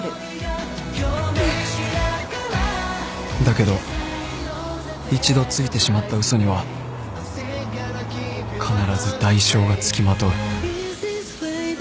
だけど一度ついてしまった嘘には必ず代償がつきまとう